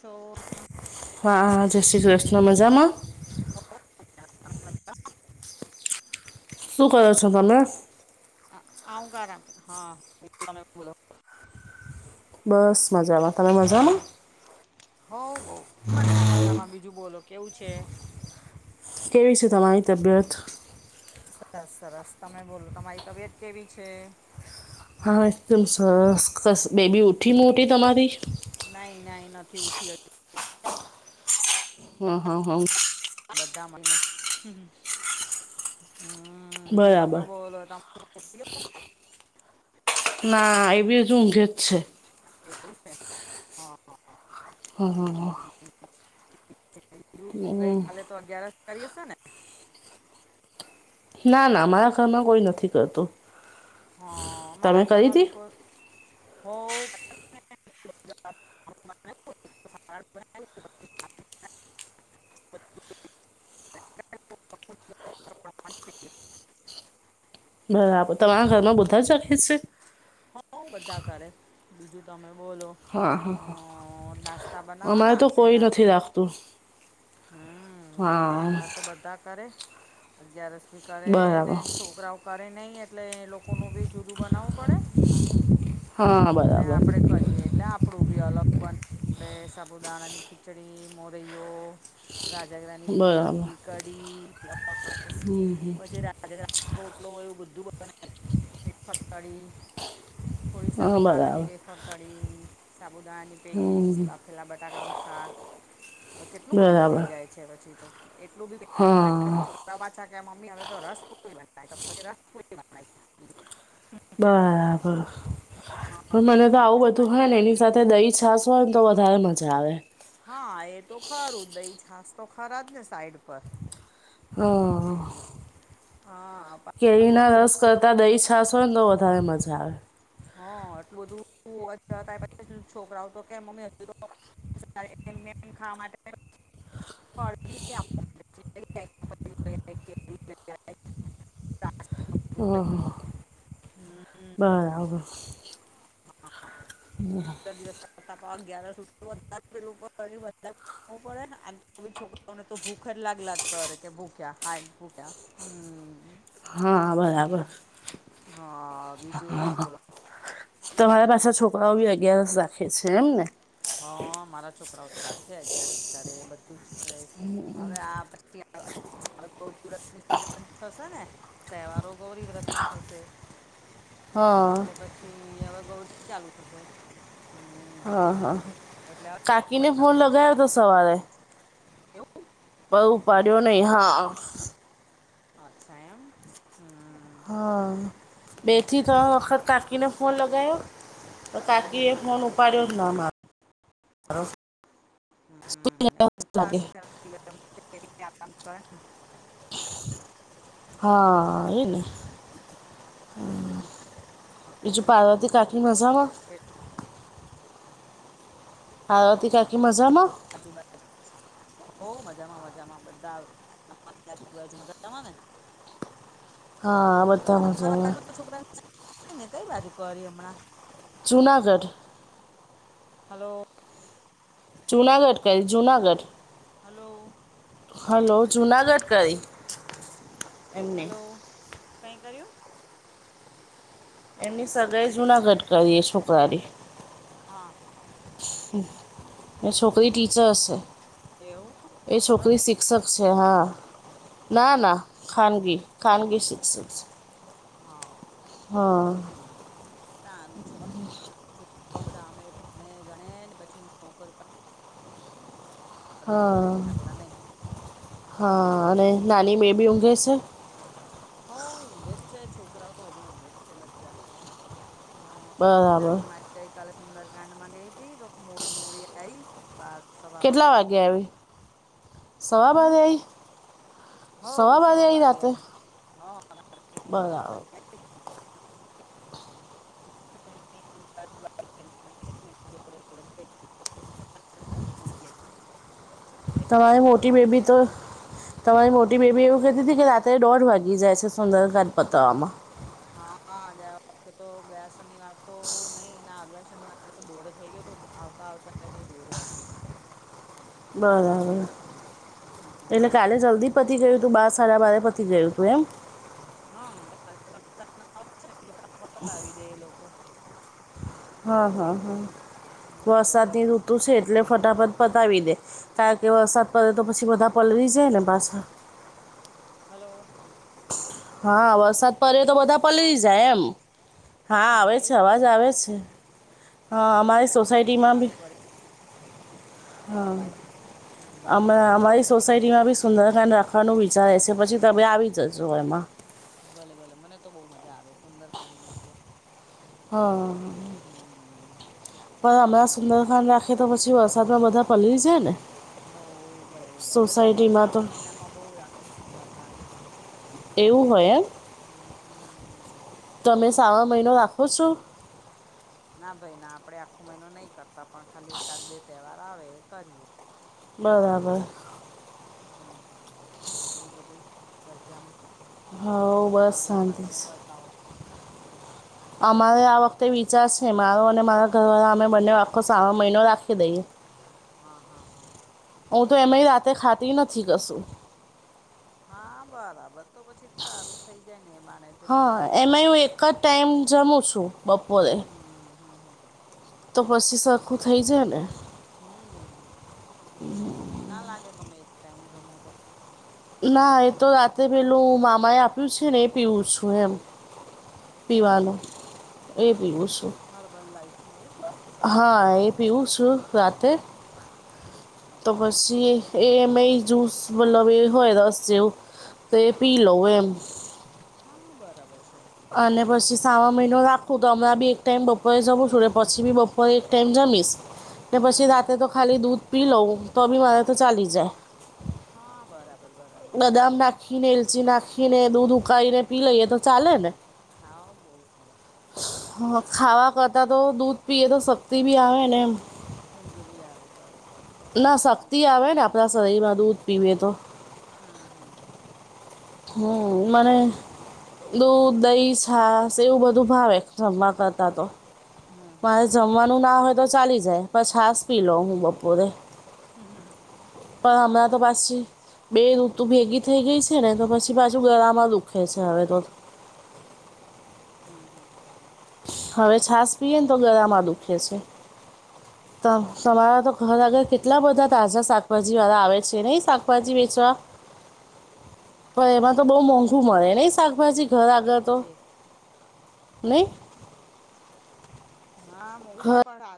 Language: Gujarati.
છો મજામાં. હા હા જય શ્રી કૃષ્ણ, મજામાં? [inaudible] શું કરો છો તમે? આ હુંકાર આપે હા તમે બોલો. બસ મજામાં, તમે મજામાં? હોઉ બઉ, બસ તો તમાર બીજું બોલો કેવું છે? કેવી છે તમારી તબિયત? સરસ સરસ, તમે બોલો તમારી તબિયત કેવી છે? હા એકદમ સરસ ખસ બેબી ઉઠી મોટી તમારી? ના એ ના નથી ઉઠી અજુ હ હ હ બધા મને હમ બીજું તમે બરાબર બોલો ત [unintelligible] ના એ બીજ ઊંઘે જ છે. હા હા. હ હ હ. બીજું ગઈ કલે તો અગિયાર કરી હશે ને ના ના મારા ઘરમાં કોઈ નથી કરતું હ તમે મારા કરી ઘરમાં હતી બી કોઈ હો બરાબર તમારા ઘરમાં બુધા જ કે છે. બહ બધા કરે બીજું તમે બોલો હા હ હા નાસ્તા અમારે બનાવવાના તો કોઈ પહેલા તો નથી રાખતું હમ્મ નઈ નઈ હા અમારે તો બધા કરે અગિયારસી કરે ને બરાબર છોકરાઓ કરે નહીં એટલે એ લોકોનું બી જુદું બનાવવું પડે હા અને બરાબર આપડે કરીએ એટલે કપડું બી અલગ બનાે સાબુ દાણાની ખીચડી મોરૈયો રાજગરાની બરાબર પુરી કઢી પછી રાજ રોટલો હોયું બધું બ [unintelligible] થોડી હા સાબુદાણાની બરાબર વેફર તળી સાબુદાણાની પેટીસ બાખેલા બટાકાનું શાક હવે કેટલું બધું થઈ બરાબર જાય છે પછી તો એટલું બી ત હા પાછા કેય હવે તો રસપુલી રસપુ [unintelligible] બરાબર બીજું પણ મને તો સાંજે આવું શાક બધું હોય ને એની લેવાનું. સાથે દહી છાસ ફન તો વધારે મજા આવે હા એ તો ખરું દહી છાાસ તો ખરા જ ને સાઈડ પર અ હમ. હા. પાછું કેરીના આટલું રસ બધું તો બ- કરતાં દહીં છાસ હોય ને તો વધારે હા મજા આવે હા એટલું બધું તછી છોકરા આવ તો કેમ મમ્મી હજુ તો [unintelligible] [unintelligible] પ્લાસ્ટિક અહ હ. હમ્મ બરાબર [unintelligible] પડે ને આમ તો છોકરાઓને તો ભૂખ જ લાગલા કરે કે ભૂખ્યા હા ભૂખ્યા હમ્મ હા બરાબર હા. બીજું તમે હા બોલો તમારા પાછા છોકરાઓ બી અગયારસ રાખે છે એમ ને હા મારા છોકરાઓ તો રાખે અગયાર જ કરે બધું જ કરે હવે આ [unintelligible] થશે ને તહેવારો ગૌરી વ્રત ના થશે હા એટલે પછી હવે ગૌરી ચાલુ થશે હમ્મ હ હા હા કાકીને ફોન બનાવવાનું હોય. લગાય- સવારે એવું પાડ્યો નહી હા- અચ્છા એમ હ હા બેેથી ત વખત કાકીને ફોન લગાયો- તો કાકી હમ એ ફોન ઉપાડ્યો જ ન મારો દસ લાગે આરા કર [unintelligible] હા એને બીજું પાર્વતી કાઠણી મજામાં કે પાર્વતી કાકી મજા ના આજુ બ [unintelligible] ઓ મજા માં મજામાં બધા મજામાં ને હા બધા [unintelligible] મજામાં બાજુ છોકરાનેને કઈ બાજુ કરી હમણાં- જૂનાગઢ- હલો- જૂનાગઢ કરી જૂનાગઢ- હલો- હલો જુનાગઢ કરી- એમને હલો કંઈ કર્યું- એમની સગાાઈ જૂના ઘટ કરીીએ છોકરારી- હા હા હા એ છોકરી ઠીક ટીચરસ છે એવું એ છોકરી ગવર્મેન્ટ શીખ- શિક્ષક છે હા ના ના ખાનગી ખાનગી શિક્ષક છે. હા હા હ સારું છે- બધા અમે ભણે ગણે પછી નોકરી પર લગન કરે હા પેલા નહીં હા હમ અને બીજું નાની બેબી ઊંઘે છે. હઉ ઊંઘે જ છે છોકરાઓ તો હજુ ઊંઘે જ છે. બધા- હ પેલી બરાબર નાની મારી- ગઈ કાલે સુંદર કંડ માં ગઈ તી તો મોડી મોડી આઈ બસ- કેટલા વાગે આવી- સવા હમ બાજે આઈ સવા બાજે આઈ રાતે- હા બરાબર- [unintelligible] [inaudible] તમારી મોટી બેબી તો- તમારી મોટી બેબી એવું કતી હતી કે રાત્રે દોઢ વાગી જાય છે સુંદરગાટ પતાવવામાં- હા ગયા વખતે તો ગયા શનિવાર તો નહી એના આગલા શનિવાર- તો દોઢ થઈ ગયો તો આવતા આવતા એને દોઢ વાગી ગયો- બરાબર - ગયો એટલે કાલે જલ્દી પતી ગયું હતું બાર સાડા બારે પતી ગયું હતું એમ- હા ફટાફટ પતાવી દે એ લોકો- હા હા હા હમ બધા વરસાદની ઘર ઋતુ છે. એટલે ફટાફટ પતાવી દે કારણ કે વરસાદ પડે તો પછી બધા પલળી જાય ને પાછા- હલો હા વરસાદ - પરે તો બધા હલો પલળી જાય એમ હા આવે એ છે જ અવાજ આવે છે. હા હવે છે અમારી ને ખબર નઈ સોસાયટીમાં મારો બી- ગળી હા કપાય અમે હમ અમારી- સોસાયટીમાં બી સુંદરકાન રાખવાનું વિચારે છે પછી તમે આવી જજો એમાં- ભલે ભલે મને તો બહુ મજા આવે સુંદરકાંડમાં તો- હા હમ પર હમણાં હા સુંદર ખાન ના કે તો પછી વરસાદમાં બધા પલડી જાએ ને. હ પલળી જાય બધા પણ સોસાયટીમાં તો શ્રાવણ મહિનામાં બહુ રાખી સુંદર કાંડ- એવું હોય એમ હમ તમે શ્રાવણ મહિનો રાખો છો? ના ભાઈ ના આપડણે આખો મહિનો નહી કરતા પણ ખાલી એકાદ બે તહેવાર આવે એ કરીએ- બરાબર- હમ્મ, હમ્મ, હમ્મ. બીજું બધું બજામાં? બીજું હવ બધું બસ નવીનમાં શાંતિ તમે છે બતાવ? અમારે આ વખતે વિચાર છે મારો અને મારા ઘરવાળા અમે બંને વાકો સારો મહિનો રાખી દઈએ. હા, હા, હા. હું તો એમાંય રાતે ખાત નથી કસું. હા, બરાબર તો પછી સારું થઈ જાય ને એ બાને જેટલું હા, થોડું એમાં હું ઘણું એક જ ટાઈમ જમું છું. બપોરે. હા હા હા હા તો પછી સરખું થઇ જાય ને. હમ્મ, તો પછી ભૂખ ના લાગે તમે એક ટાઈમ જમો તો? ના એ તો રાતેે પેલું મામા એ આપ્યું છે ને એ પીવું છું એમ. અચ્છા પીવાનું એ પીવું છું. હર્બલ લાઈફનું એજ ને? હા, એ પીઉું છું રાતે. હમ તો હમ હમ પછી એ મેં જૂસ બોલાવી હોય રસ જેવું તો એ હા પી હા લઉં એમ હા બરાબર છે. અને પછી શ્રાવણ મહિનો રાખવું તો હમણાં બી એક ટાઈમ બપોરે જમું છું પછી બી બપોરે એક ટાઈમ જમીશ. [unintelligible] તે પછી રાતે હમ તો ખાલી દૂધ પી લઉં તો બી મારે તો ચાલી જાય. હા, બરા બદામ નાખી ને એલચી નાખી ને દૂધ ઉકાળીને પી લઈએ તો ચાલે ને? હા, બહુ સરસ મજ હ, સારું ખાવા લાગે. કરતાં તો દૂધ પીએ તો શક્તિ ભી આવે ને ઊંઘ બી આવે બરાબર. ગરમ ના ગરમ શક્તિ ભૂસ આવે ને આપડા શરીરમાં દૂધ પીવે તો. હમ્મ, હમ્મ, હમ્મ. હમ્મ, મને દૂધ, ઠીક દહીસ છાસ એવું બધું ભાવે જમવા કરતા તો. હમ મારે હમ જમવાનું ના હોય તો ચાલી જાય પર છાસ પી લો હું બપોરે. હમ્મ, હમ્મ, હમ્મ. પણ હા, હમણાં તો બરાબર પાછી છે. બે હમ્મ, ઋતુ હમ્મ. ભેગી થઈ ગઈ છે ને તો પછી પાછુ ગળામાં દુખે છે હવે તો. હમ્મ, હમ્મ, હમ્મ, હમ્મ. હવે છાસ પીએ ને તો ગળામાં દુખે છે. હ ત તમારા તો ઘર અગર કેટલા બધા તાજા શાકભાજીવાળા આવે છે નઈ શાકભાજી વેચવા. હ પણ એમાં તો બઉ મોંઘું મળે નહી શાકભાજી ઘર ઠીક આગળ તો? છે નહી? હા મારી ઘર ઉમર પડા